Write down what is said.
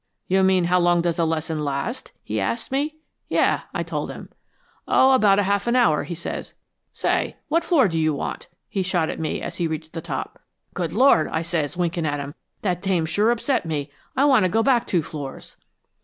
'" "'You mean, how long does a lesson last?' he asked me." "'Yes,' I told him." "'Oh, about a half hour,' he says. 'Say! What floor do you want?' he shot at me as he reached the top." "'Good Lord!' I says, winking at him. 'That dame sure upset me. I want to go back two floors.'"